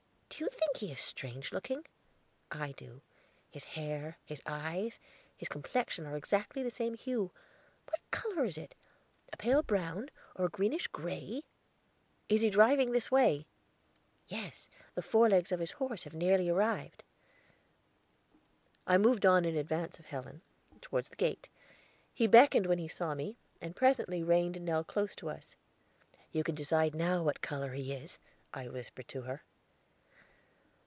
Do you think he is strange looking? I do. His hair, and eyes, and complexion are exactly the same hue; what color is it? A pale brown, or a greenish gray?" "Is he driving this way?" "Yes; the fore legs of his horse have nearly arrived." I moved on in advance of Helen, toward the gate; he beckoned when he saw me, and presently reined Nell close to us. "You can decide now what color he is," I whispered to her.